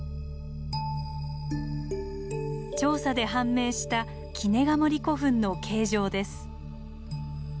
調査で判明した杵ガ森古墳の形状です。